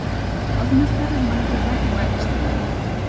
Els meus pares m'han cuidat i m'han estimat.